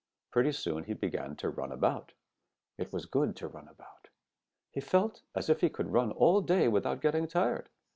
Pretty soon he began to run about. It was good to run about. He felt as if he could run all day without getting tired.